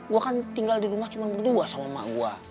gue kan tinggal di rumah cuma berdua sama emak gue